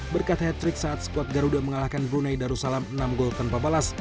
berkat hat trick saat skuad garuda mengalahkan brunei darussalam enam gol tanpa balas